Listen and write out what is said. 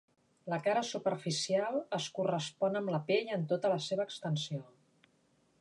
La cara superficial es correspon amb la pell en tota la seva extensió.